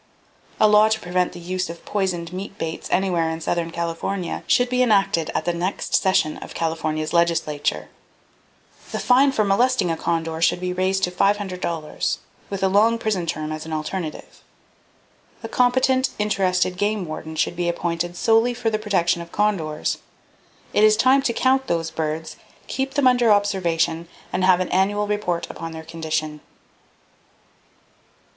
A law to prevent the use of poisoned meat baits anywhere in southern California, should be enacted at the next session of California's legislature. The fine for molesting a condor should be raised to $500, with a long prison term as an alternative. A competent, interested game warden should be appointed solely for the protection of the condors. It is time to count those birds, keep them under observation, and have an annual report upon their condition.